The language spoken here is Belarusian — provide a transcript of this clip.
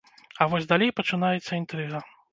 А вось далей пачынаецца інтрыга.